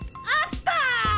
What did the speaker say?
あった！